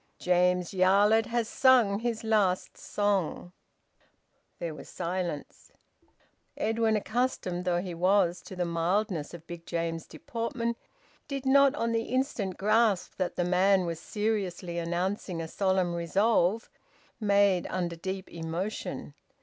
James Yarlett has sung his last song." There was silence. Edwin, accustomed though he was to the mildness of Big James's deportment, did not on the instant grasp that the man was seriously announcing a solemn resolve made under deep emotion.